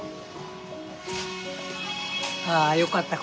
ああよかった